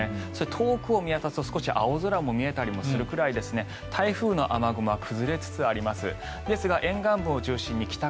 遠くを見渡すと少し青空も見えたりするくらい台風の雨雲は崩れつつあります。